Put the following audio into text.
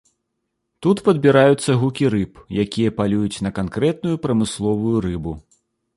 Тут падбіраюцца гукі рыб, якія палююць на канкрэтную прамысловую рыбу.